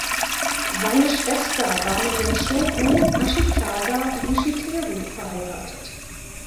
Seine Schwester war mit dem Shogun Ashikaga Yoshiteru verheiratet.